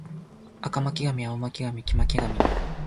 赤巻上青巻紙黄巻紙